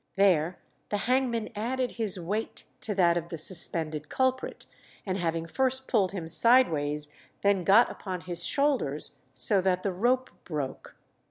There the hangman added his weight to that of the suspended culprit, and having first pulled him sideways, then got upon his shoulders, so that the rope broke.